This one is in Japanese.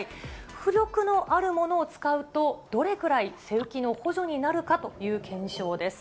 浮力のあるものを使うと、どれくらい背浮きの補助になるかという検証です。